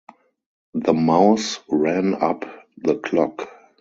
The mouse ran up the clock.